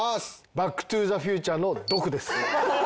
『バック・トゥ・ザ・フューチャー』のドクです。